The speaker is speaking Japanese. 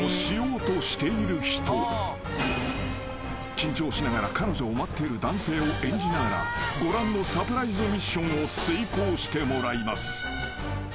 ［緊張しながら彼女を待っている男性を演じながらご覧のサプライズミッションを遂行してもらいます］